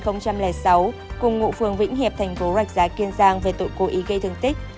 trường anh sinh năm hai nghìn sáu cùng ngụ phường vĩnh hiệp thành phố rạch giá kiên giang về tội cố ý gây thương tích